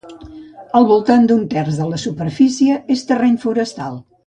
Al voltant d'un terç de la superfície és terreny forestal.